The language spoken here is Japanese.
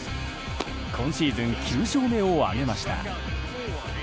今シーズン９勝目を挙げました。